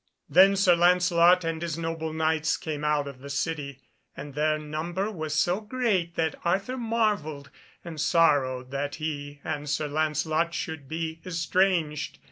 Then Sir Lancelot and his noble Knights came out of the city, and their number was so great that Arthur marvelled, and sorrowed that he and Sir Lancelot should be estranged.